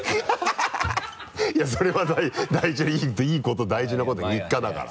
いやそれは大事ないいこと大事なこと日課だから。